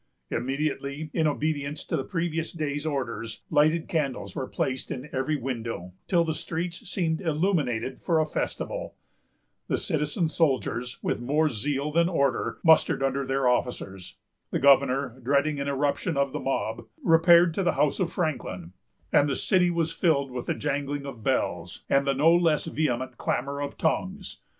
Immediately, in obedience to the previous day's orders, lighted candles were placed in every window, till the streets seemed illuminated for a festival. The citizen soldiers, with more zeal than order, mustered under their officers. The governor, dreading an irruption of the mob, repaired to the house of Franklin; and the city was filled with the jangling of bells, and the no less vehement clamor of tongues.